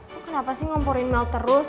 lo kenapa sih ngomporin mel terus